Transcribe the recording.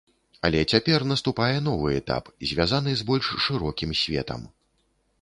Але цяпер наступае новы этап, звязаны з больш шырокім светам.